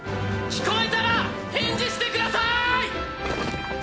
聞こえたら返事してくださいッ。